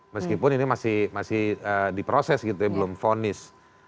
meskipun ini masih diproses gitu ya belum fonis